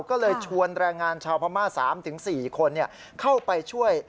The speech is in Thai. ก็เลยชวนแรงงานชาวพม่า๓๔คนเข้าไปช่วย